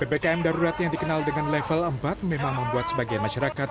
ppkm darurat yang dikenal dengan level empat memang membuat sebagian masyarakat